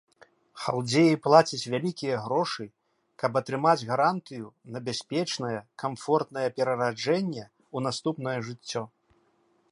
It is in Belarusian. Халдзеі плацяць вялікія грошы, каб атрымаць гарантыю на бяспечнае камфортнае перараджэнне ў наступнае жыццё.